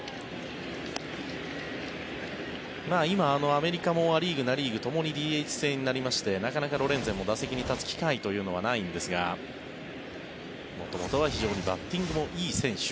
今、アメリカもア・リーグ、ナ・リーグともにＤＨ制になりましてなかなかロレンゼンも打席に立つ機会はないんですが元々は非常にバッティングもいい選手。